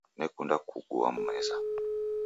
Nekunda kugua meza